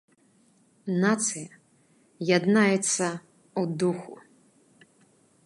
Нацыя яднаецца ў духу!